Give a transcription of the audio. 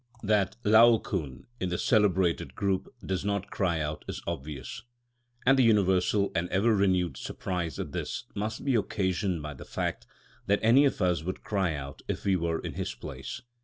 § 46. That Laocoon, in the celebrated group, does not cry out is obvious, and the universal and ever renewed surprise at this must be occasioned by the fact that any of us would cry out if we were in his place.